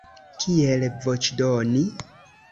Kiel voĉdoni?